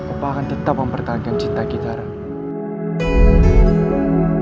opa akan tetap mempertahankan cinta kita